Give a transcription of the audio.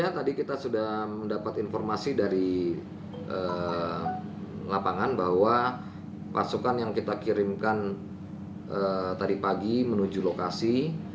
tni polri mencari informasi dari pasukan yang dikirimkan tadi pagi menuju lokasi